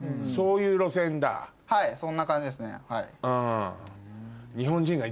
はいそんな感じですね。